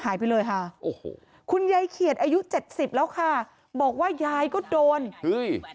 หายไปเลยค่ะโอ้โหคุณยายเขียดอายุเจ็ดสิบแล้วค่ะบอกว่ายายก็โดนเฮ้ย